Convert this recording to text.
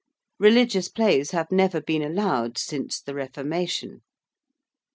Religious plays have never been allowed since the Reformation.